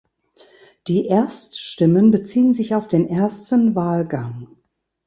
Die Erststimmen beziehen sich auf den ersten Wahlgang.